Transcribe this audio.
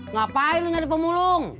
ngapain lu nyari pemulung